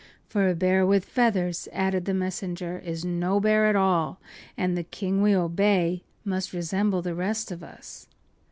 “For a bear with feathers,” added the messenger, “is no bear at all, and the king we obey must resemble the rest of us.